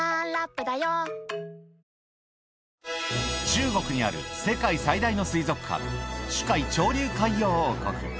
中国にある世界最大の水族館、珠海長隆海洋王国。